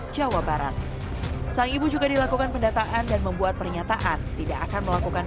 jawa barat sang ibu juga dilakukan pendataan dan membuat pernyataan tidak akan melakukan